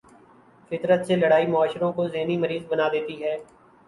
فطرت سے لڑائی معاشروں کو ذہنی مریض بنا دیتی ہے۔